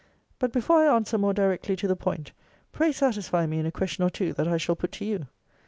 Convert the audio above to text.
But before I answer more directly to the point, pray satisfy me in a question or two that I shall put to you.